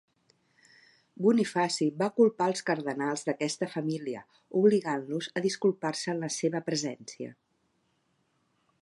Bonifaci va culpar els cardenals d'aquesta família, obligant-los a disculpar-se en la seva presència.